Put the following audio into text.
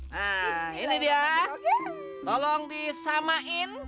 nah ini dia tolong disamain